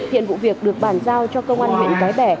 hiện vụ việc được bàn giao cho công an huyện cái bè